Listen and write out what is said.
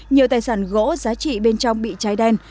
nhiều tài sản gỗ giá trị bên trong bị cháy đen